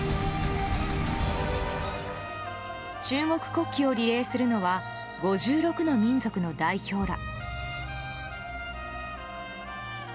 中国国旗をリレーするのは５６の民族の代表ら。